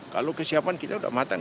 kalau kesiapan kita sudah matang